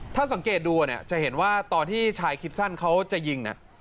ถ้าสังเกตดูเนี่ยจะเห็นว่าตอนที่ชายคิดสั้นเขาจะยิง